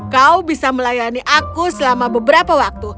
kau bisa melayani aku selama beberapa waktu